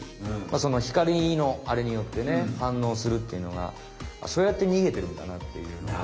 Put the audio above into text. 光のあれによってねはんのうするっていうのがそうやってにげてるんだなっていうのが。